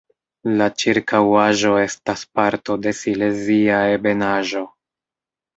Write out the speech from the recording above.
La ĉirkaŭaĵo estas parto de Silezia ebenaĵo.